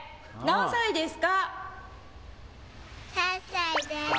何歳ですか？